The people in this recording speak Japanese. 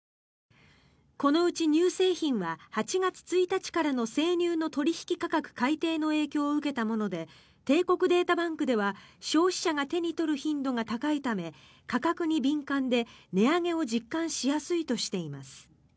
このうち乳製品は８月１日からの生乳の取引価格改定の影響を受けたもので帝国データバンクでは消費者が手に取る頻度が高いため価格に敏感で値上げを実感しやすいとしています。